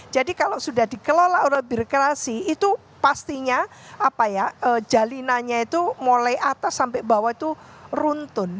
jadi kalau sudah dikelola oleh birokrasi itu pastinya apa ya jalinannya itu mulai atas sampai bawah itu runtun